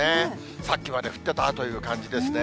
さっきまで降ってたという感じですね。